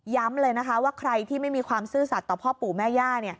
เลยนะคะว่าใครที่ไม่มีความซื่อสัตว์ต่อพ่อปู่แม่ย่า